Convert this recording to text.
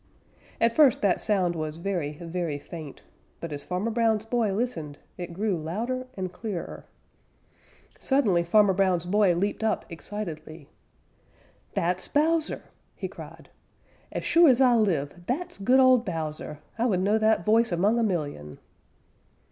At first that sound was very, very faint, but as Farmer Brown's boy listened, it grew louder and clearer. Suddenly Farmer Brown's boy leaped up excitedly. "That's Bowser!" he cried. "As sure as I live that's good old Bowser! I would know that voice among a million!"